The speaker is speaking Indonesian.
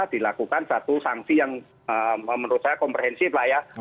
dilakukan satu sanksi yang menurut saya komprehensif lah ya